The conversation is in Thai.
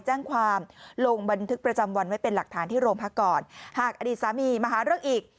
แจ้งความลงบันทึกประจำวันไว้เป็นหลักฐานที่โรงพักร